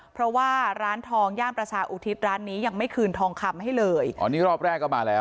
เพราะว่าร้านทองย่านประชาอุทิศร้านนี้ยังไม่คืนทองคำให้เลยอ๋อนี่รอบแรกก็มาแล้ว